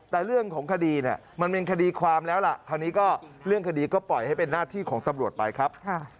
แต่เรื่องของคดีเนี่ยมันเป็นคดีความแล้วล่ะคราวนี้ก็เรื่องคดีก็ปล่อยให้เป็นหน้าที่ของตำรวจไปครับ